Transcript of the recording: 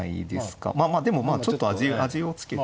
まあでもまあちょっと味をつけて。